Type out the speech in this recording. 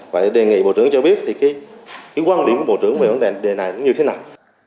vậy đề nghị bộ trưởng cho biết thì cái quan điểm của bộ trưởng về vấn đề này như thế nào